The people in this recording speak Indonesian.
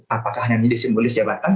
apakah hanya menjadi simbolis jabatan